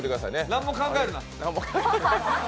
何も考えるな。